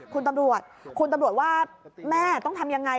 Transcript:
คุณตำรวจคุณตำรวจว่าแม่ต้องทำยังไง